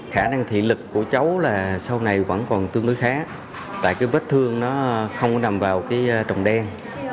khả năng thị lực của cháu là sau này vẫn còn tương đối khá tại cái vết thương nó không nằm vào cái trồng đen